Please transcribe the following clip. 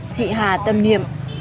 chị hà tâm niệm